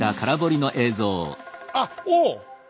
あっおお！